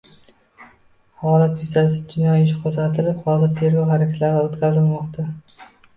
Holat yuzasidan jinoyat ishi qo‘zg‘atilib, hozirda tergov harakatlari o‘tkazilmoqda